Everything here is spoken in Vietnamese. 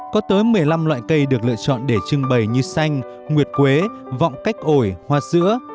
có tới một mươi năm loại cây được lựa chọn để trưng bày như xanh nguyệt quế vọng cách ổi hoa sữa